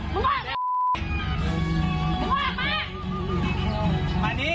มึงไม่พามันไปกินน้ำเย็นที่บ้านกูเลย